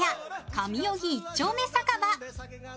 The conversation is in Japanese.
上荻一丁目酒場。